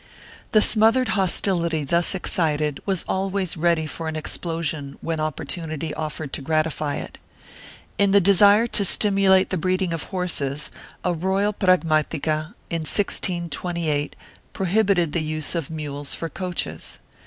The smothered hostility thus excited was always ready for an explosion when opportunity offered to gratify it. In the desire to stimulate the breeding of horses, a royal pragmatica, in 1628, prohibited the use of mules for coaches.